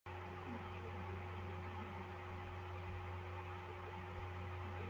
Umugore ufite igikapu cyirabura arimo aranywa itabi